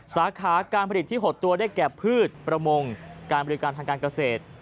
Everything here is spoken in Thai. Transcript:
สาขาการผลิตที่หดตัวได้แก่พืชประมงการบริการทางการเกษตร